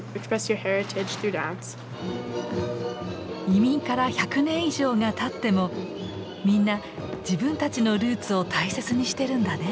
移民から１００年以上がたってもみんな自分たちのルーツを大切にしてるんだね。